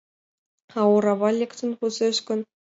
— А орава лектын возеш гын?